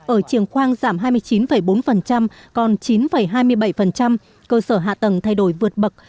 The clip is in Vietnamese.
ở trường khoang giảm hai mươi chín bốn còn chín hai mươi bảy cơ sở hạ tầng thay đổi vượt bậc